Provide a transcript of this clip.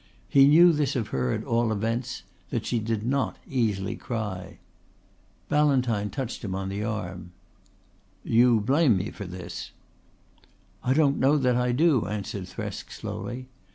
He knew this of her at all events that she did not easily cry. Ballantyne touched him on the arm. "You blame me for this." "I don't know that I do," answered Thresk slowly.